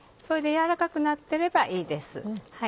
それで軟らかくなってればいいです。